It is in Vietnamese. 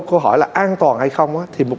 câu hỏi là an toàn hay không